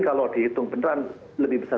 kalau dihitung beneran lebih besar